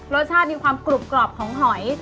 รสชาติมีความกรุบกรอบของหอย